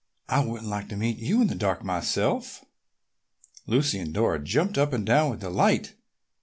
"I wouldn't like to meet you in the dark myself!" Lucy and Dora jumped up and down with delight.